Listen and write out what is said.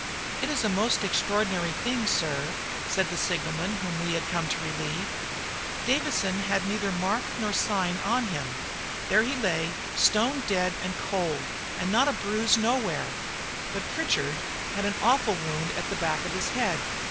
"It is a most extraordinary thing, sir," said the signalman whom we had come to relieve. "Davidson had neither mark nor sign on him there he lay stone dead and cold, and not a bruise nowhere; but Pritchard had an awful wound at the back of the head.